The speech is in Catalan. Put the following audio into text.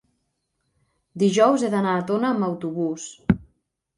dijous he d'anar a Tona amb autobús.